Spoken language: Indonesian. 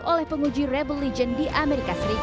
oleh penguji rebel legion di amerika serikat